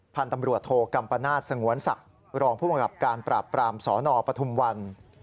พันธุ์ตำรวจโทกัมปนาศสงวนศักดิ์รองผู้บังคับการปราบปรามสนปทุมวัน